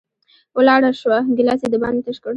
ولاړه شوه، ګېلاس یې د باندې تش کړ